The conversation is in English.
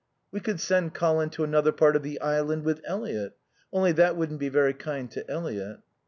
"We could send Colin to another part of the island with Eliot. Only that wouldn't be very kind to Eliot."